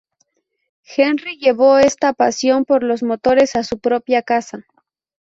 Henry llevó esta pasión por los motores a su propia casa.